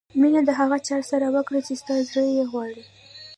مینه د هغه چا سره وکړه چې ستا زړه یې غواړي.